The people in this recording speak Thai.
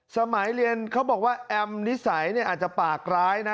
สมัยเรียนเขาบอกว่าแอมนิสัยอาจจะปากร้ายนะ